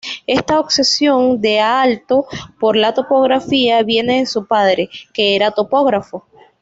Esta obsesión de Aalto por la topografía viene de su padre, que era topógrafo.